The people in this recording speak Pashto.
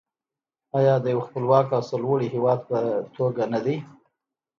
آیا د یو خپلواک او سرلوړي هیواد په توګه نه دی؟